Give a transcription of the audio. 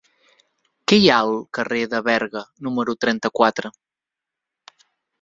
Què hi ha al carrer de Berga número trenta-quatre?